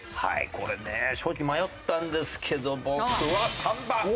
これね正直迷ったんですけども僕は３番。